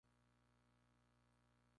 Posee campus propios en París.